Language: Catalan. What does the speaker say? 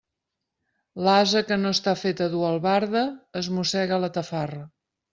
L'ase que no està fet a dur albarda, es mossega la tafarra.